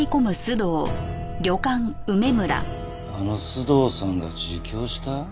あの須藤さんが自供した？